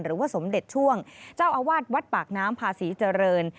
หรือว่าสมเด็จช่วงเจ้าอาวาสวัดปากน้ำพาศรีเจริญ